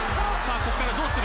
ここからどうする。